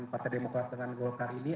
partai demokrat dengan golkar ini